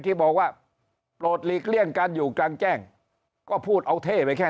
ที่บอกว่าโปรดหลีกเลี่ยงการอยู่กลางแจ้งก็พูดเอาเท่ไปแค่